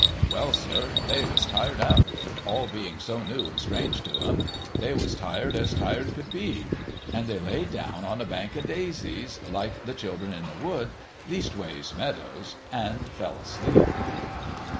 Well, sir, they was tired out. All being so new and strange to 'em, they was no THE HOLLY TREE tired as tired could be. And they laid down on a bank of daisies, like the children in the wood, leastways meadows, and fell asleep.